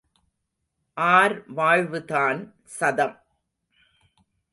R வாழ்வுதான் சதம்?